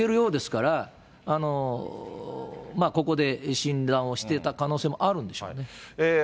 何台か車も置けるようですから、ここで診断をしていた可能性もあるんでしょうね。